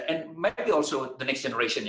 mungkin juga generasi seterusnya